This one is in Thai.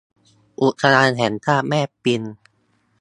อุทยานแห่งชาติแม่ปิง